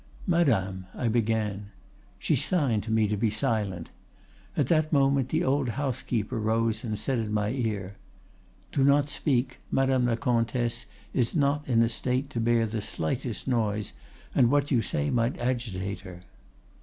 "'"Madame," I began. She signed to me to be silent. At that moment the old housekeeper rose and said in my ear, "Do not speak; Madame la Comtesse is not in a state to bear the slightest noise, and what you say might agitate her."